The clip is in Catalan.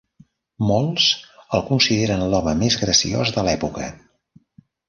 Molts el consideren l'home més graciós de l'època.